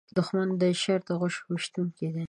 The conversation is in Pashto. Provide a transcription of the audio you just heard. دښمن د شر د غشو ویشونکی وي